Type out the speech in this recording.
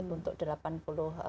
untuk delapan puluh ribu